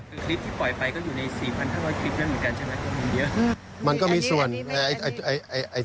คลิปที่ปล่อยไปก็อยู่ใน๔๕๐๐คลิปนั่นเหมือนกันใช่ไหม